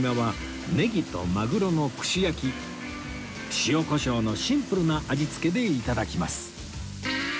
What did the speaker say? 塩コショウのシンプルな味付けでいただきます